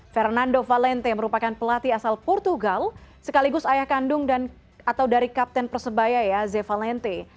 fernando valente merupakan pelatih asal portugal sekaligus ayah kandung atau dari kapten persebaya ya ze valente